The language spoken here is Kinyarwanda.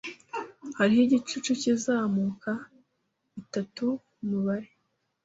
Hariho igicucu kizamuka bitatu mubare